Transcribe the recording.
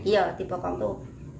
iya di bokong tuh